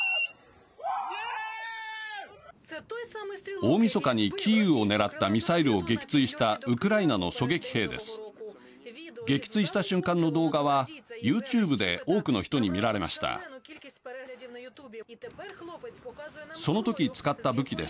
大みそかにキーウを狙ったミサイルを撃墜したウクライナの狙撃兵です。